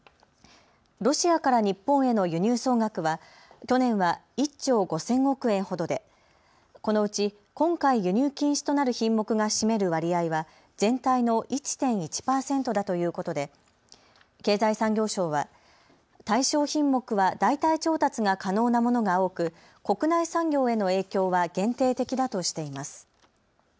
ロシアから日本への輸入総額は去年は１兆５０００億円ほどでこのうち今回輸入禁止となる品目が占める割合は全体の１．１％だということで経済産業省は対象品目は代替調達が可能なものが多く国内産業への影響は限定的だとしています。